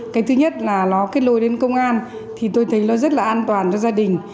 cái thứ nhất là nó kết lối đến công an thì tôi thấy nó rất là an toàn cho gia đình